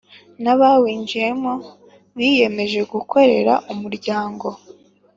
N’abawinjiyemo biyemeza gukorera umuryango.